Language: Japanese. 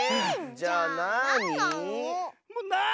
じゃあなに？